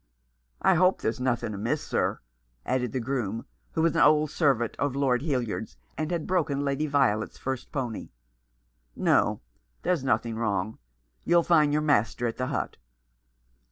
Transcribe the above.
" I hope there's nothing amiss, sir ?" added the groom, who was an old servant of Lord Hildyard's, and had broken Lady Violet's first pony. " No, there's nothing wrong. You'll find your master at the hut."